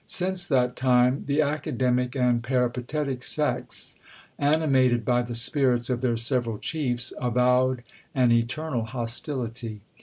Since that time the academic and peripatetic sects, animated by the spirits of their several chiefs, avowed an eternal hostility.